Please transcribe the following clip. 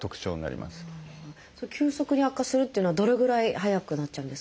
急速に悪化するっていうのはどれぐらい早くなっちゃうんですか？